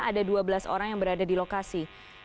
ada dua belas orang yang berada di lokasi